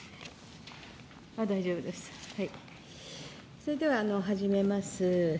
それでは始めます。